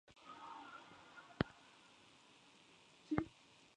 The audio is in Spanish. Estuvieron particularmente presentes en los Concilios de Arles y Nicea.